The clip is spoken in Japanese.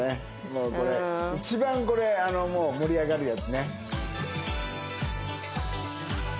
もうこれ一番これ盛り上がるやつね。